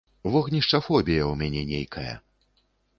Вогнішча-фобія ў мяне нейкая!